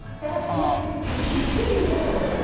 ぎっしり明太子入ってる。